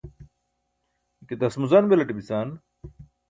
ike tasmuzaṅ belaṭe bican?